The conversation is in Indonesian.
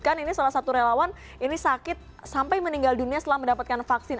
kan ini salah satu relawan ini sakit sampai meninggal dunia setelah mendapatkan vaksin